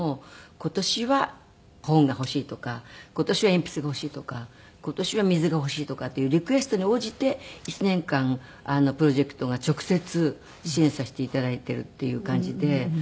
今年はコーンが欲しいとか今年は鉛筆が欲しいとか今年は水が欲しいとかっていうリクエストに応じて１年間プロジェクトが直接支援させて頂いているっていう感じで。